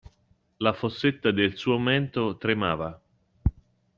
La fossetta del suo mento tremava.